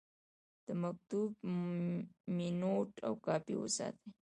د مکتوب مینوټ او کاپي وساتئ.